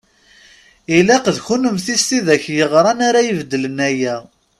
Ilaq d kunemti s tidak yeɣran ara ibeddlen aya.